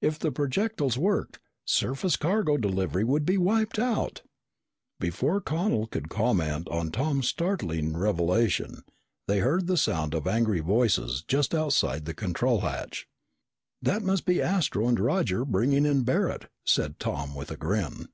If the projectiles worked, surface cargo delivery would be wiped out." Before Connel could comment on Tom's startling revelation, they heard the sound of angry voices just outside the control deck hatch. "That must be Astro and Roger bringing in Barret," said Tom with a grin.